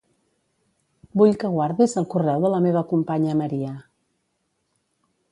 Vull que guardis el correu de la meva companya Maria.